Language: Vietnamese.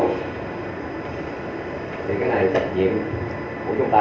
nhất là các địa bàn chấp nâng các anh tí phương hợp cho nó chặt dễ